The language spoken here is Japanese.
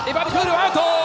アウト。